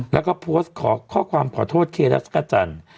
แล้วก็โพสต์ขอข้อความขอโทษเครจักรจันทร์